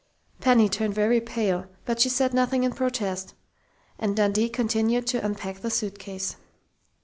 Penny turned very pale, but she said nothing in protest, and Dundee continued to unpack the suitcase.